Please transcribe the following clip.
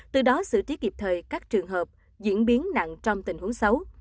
từ đó xử trí kịp thời các trường hợp diễn biến nặng trong tình huống xấu